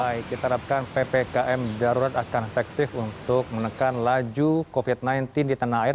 baik kita harapkan ppkm darurat akan efektif untuk menekan laju covid sembilan belas di tanah air